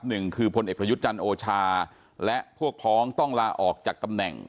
หนึ่งคือพลเอกประยุทธ์จันทร์โอชาและพวกพ้องต้องลาออกจากตำแหน่ง